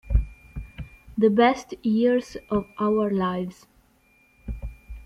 The Best Years of Our Lives